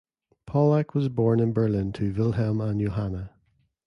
Pollack was born in Berlin to Wilhelm and Johanna.